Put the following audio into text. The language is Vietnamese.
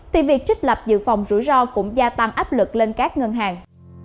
thì việc trích lập dự phòng rủi ro cũng gia tăng áp lực lên các ngân hàng